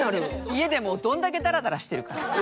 家でもうどんだけダラダラしてるか。